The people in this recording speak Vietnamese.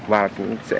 và dẫn đến nhiệt